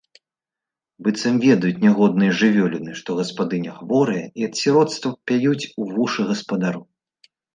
Быццам ведаюць нягодныя жывёліны, што гаспадыня хворая, і ад сіроцтва пяюць у вушы гаспадару.